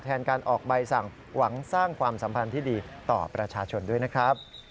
แทนการออกใบสั่งหวังสร้างความสัมพันธ์ที่ดีต่อประชาชนด้วยนะครับ